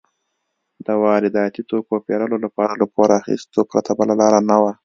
د وارداتي توکو پېرلو لپاره له پور اخیستو پرته بله لار نه وه.